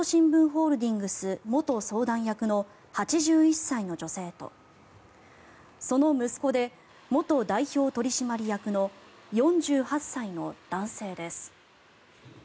ホールディングス元相談役の８１歳の女性とその息子で元代表取締役の４８歳の男性です。